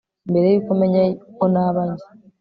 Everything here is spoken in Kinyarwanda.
mbere yuko menya uko naba njye